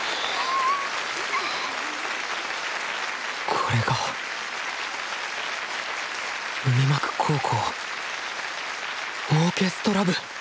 これが海幕高校オーケストラ部！